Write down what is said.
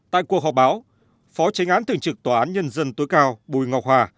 tại cuộc họp báo phó tránh án thường trực tòa án nhân dân tối cao bùi ngọc hòa